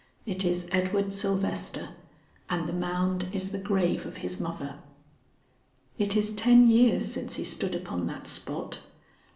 It is Edward Sylvester and the mound is the grave of his mother. It is ten years since he stood upon that spot.